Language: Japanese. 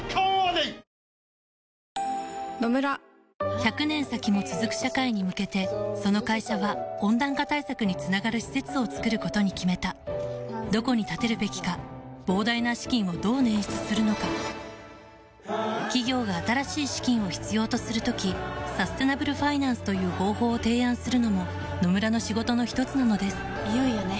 １００年先も続く社会に向けてその会社は温暖化対策につながる施設を作ることに決めたどこに建てるべきか膨大な資金をどう捻出するのか企業が新しい資金を必要とする時サステナブルファイナンスという方法を提案するのも野村の仕事のひとつなのですいよいよね。